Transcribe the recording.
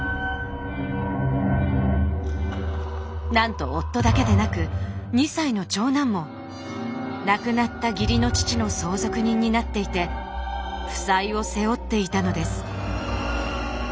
なんと夫だけでなく２歳の長男も亡くなった義理の父の相続人になっていて負債を背負っていたのです。